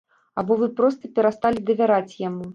Або вы проста перасталі давяраць яму.